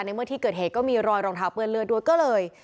เมื่อที่เกิดเหตุก็มีรอยรองเท้าเปื้อนเลือดด้วยก็เลย